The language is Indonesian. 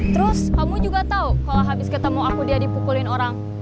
terus kamu juga tahu kalau habis ketemu aku dia dipukulin orang